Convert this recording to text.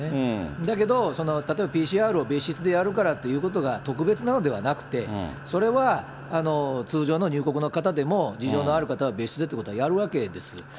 だけど例えばＰＣＲを別室でやるからということが特別なのではなくて、それは通常の入国の方でも、事情のある方は別室でということはやるわけですよ。